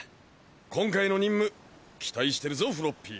今回の任務期待してるぞフロッピー。